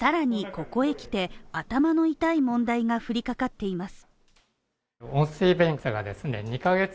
ここへ来て頭の痛い問題が降りかかっています